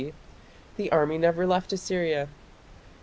C.) the army never left Assyria.